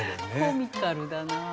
コミカルだなあ。